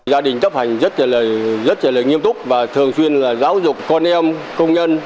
gia đình chấp hành rất là nghiêm túc và thường xuyên giáo dục con em công nhân